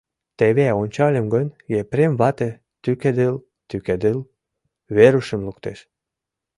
Теве ончальым гын — Епрем вате, тӱкедыл-тӱкедыл, Верушым луктеш.